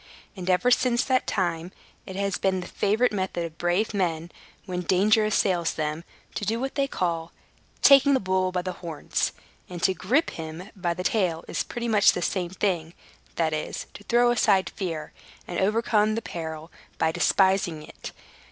And, ever since that time, it has been the favorite method of brave men, when danger assails them, to do what they call "taking the bull by the horns"; and to gripe him by the tail is pretty much the same thing that is, to throw aside fear, and overcome the peril by despising it.